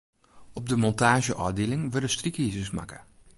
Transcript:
Op de montaazjeôfdieling wurde strykizers makke.